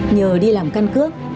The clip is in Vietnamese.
nhờ đi làm căn cước